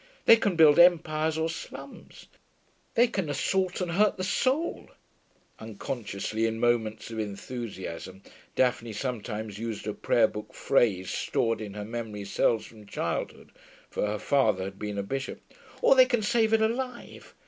They can build empires or slums; they can assault and hurt the soul' (unconsciously in moments of enthusiasm, Daphne sometimes used a prayer book phrase stored in her memory cells from childhood, for her father had been a bishop), 'or they can save it alive.